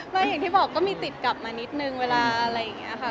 ก็อย่างที่บอกก็มีติดกลับมานิดนึงเวลาอะไรอย่างนี้ค่ะ